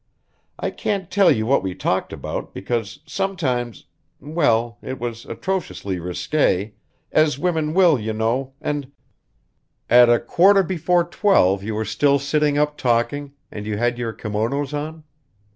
I can't tell you what we talked about, because sometimes well, it was atrociously risqué as women will, you know, and " "At a quarter before twelve you were still sitting up talking, and you had your kimonos on?"